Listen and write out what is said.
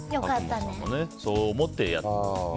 そう思ってやってたと。